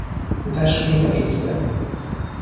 "Weszli do izby."